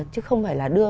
chứ không phải là đưa